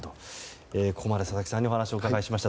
ここまで佐々木さんにお話を伺いました。